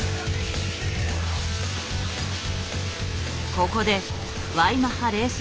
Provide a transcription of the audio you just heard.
ここでＹマハレース